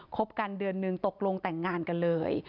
บกันเดือนนึงตกลงแต่งงานกันเลย